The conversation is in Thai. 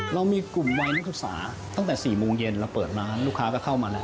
เรามีกลุ่มวัยนักศึกษาตั้งแต่๔โมงเย็นเราเปิดร้านลูกค้าก็เข้ามาแล้ว